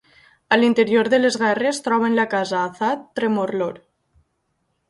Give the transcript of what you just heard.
A l'interior de les guerres, troben la casa Azath Tremorlor.